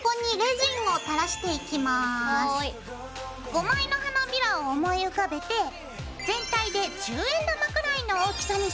５枚の花びらを思い浮かべて全体で十円玉くらいの大きさにするよ。